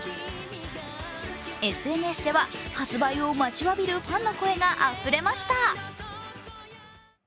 ＳＮＳでは、発売を待ちわびるファンの声があふれました。